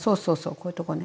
こういうとこね。